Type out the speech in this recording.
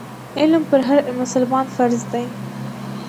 علم پر هر مسلمان فرض دی.